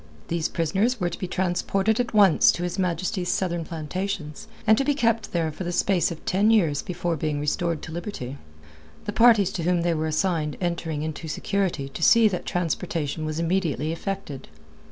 These prisoners were to be transported at once to His Majesty's southern plantations, and to be kept there for the space of ten years before being restored to liberty, the parties to whom they were assigned entering into security to see that transportation was immediately effected.